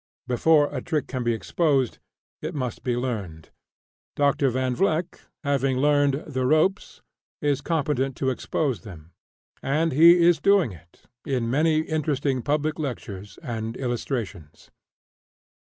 Before a trick can be exposed it must be learned. Dr. Van Vleck, having learned "the ropes," is competent to expose them; and he is doing it in many interesting public lectures and illustrations.